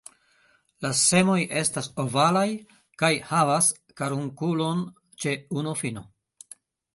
La semoj estas ovalaj kaj havas karunkulon ĉe unu fino.